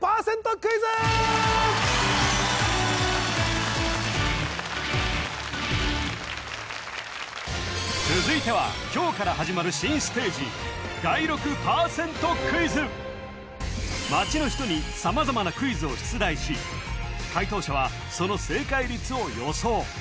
クイズ続いては今日から始まる街の人に様々なクイズを出題し解答者はその正解率を予想